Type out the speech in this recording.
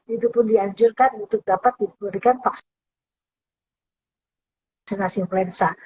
itu pun dianjurkan untuk dapat diberikan vaksinasi influenza